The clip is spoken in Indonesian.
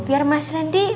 biar mas randy